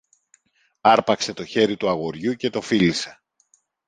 άρπαξε το χέρι του αγοριού και το φίλησε.